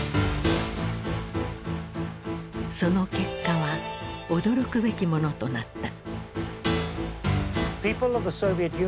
その結果は驚くべきものとなった。